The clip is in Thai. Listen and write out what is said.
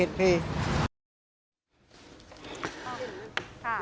ประดิเหตุเพท